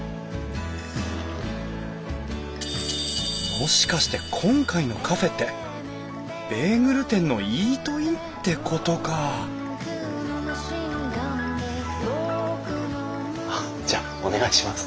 もしかして今回のカフェってベーグル店のイートインってことかあっじゃあお願いします。